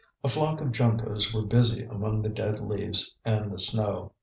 A flock of juncos were busy among the dead leaves and the snow.